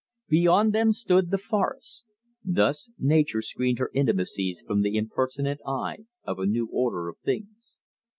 Beyond them stood the forests. Thus Nature screened her intimacies from the impertinent eye of a new order of things.